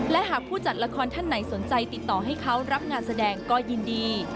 และหากผู้จัดละครท่านไหนสนใจติดต่อให้เขารับงานแสดงก็ยินดี